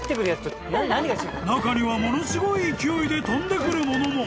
［中にはものすごい勢いで飛んでくるものも］